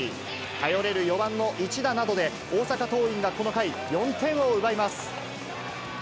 頼れる４番の一打などで、大阪桐蔭がこの回、４点を奪います。